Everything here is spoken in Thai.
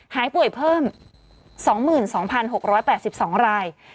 หายป่วยเพิ่ม๒๒๖๘๒ราย